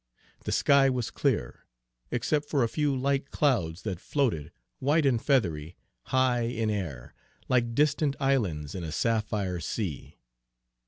The sky was clear, except for a few light clouds that floated, white and feathery, high in air, like distant islands in a sapphire sea.